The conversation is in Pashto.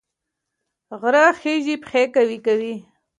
غره خیژي پښې قوي کوي